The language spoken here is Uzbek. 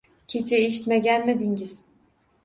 — Kecha eshitmaganmidingiz?